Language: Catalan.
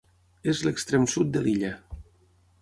És l'extrem sud de l'illa.